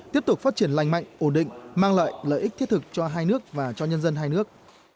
tiếp tục phát triển lành mạnh ổn định mang lại lợi ích thiết thực cho hai nước và cho nhân dân hai nước